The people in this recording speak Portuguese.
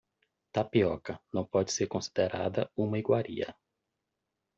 Tapioca não pode ser considerada uma iguaria.